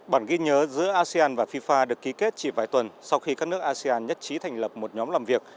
bản ghi nhớ giữa asean và fifa được ký kết chỉ vài tuần sau khi các nước asean nhất trí thành lập một nhóm làm việc